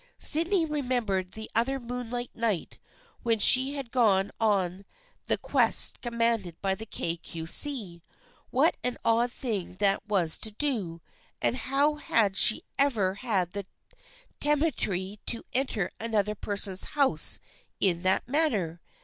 Sydney remembered that other moonlight night when she had gone on the quest commanded by the Kay Cue See. What an odd thing that was to do, and how had she ever had the temerity to enter another person's house in that manner